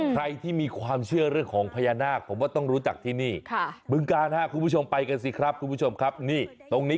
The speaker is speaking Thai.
ใครที่มาไหว้บูชาถวายบุญก็จะสุมปัฒนา